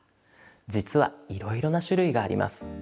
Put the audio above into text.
実はいろいろな種類があります。